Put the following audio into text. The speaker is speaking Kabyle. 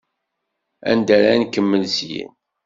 Anda ara nkemmel syin?